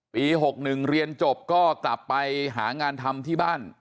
ปี๖๑เรียนจบก็กลับไปหางานทำที่บ้าน